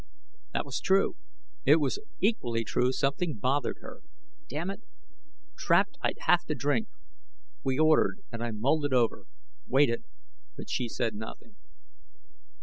That was true; it was equally true something bothered her. Damn it! Trapped, I'd have to drink. We ordered, and I mulled it over. Waited, but she said nothing.